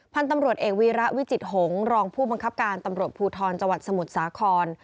พันธุ์ตำรวจเอกวีระวิจิตหงษ์รองผู้บังคับการตำรวจภูทรจังหวัดสมุทรสาคร